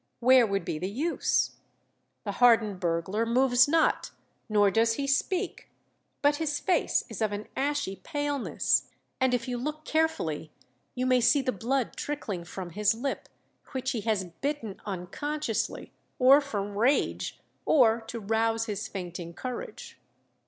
Where would be the use? The hardened burglar moves not, nor does he speak; but his face is of an ashy paleness; and if you look carefully you may see the blood trickling from his lip, which he has bitten unconsciously, or from rage, or to rouse his fainting courage.